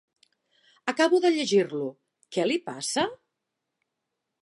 Acabo de llegir-lo. Què li passa?